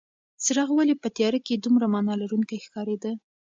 څراغ ولې په تیاره کې دومره مانا لرونکې ښکارېده؟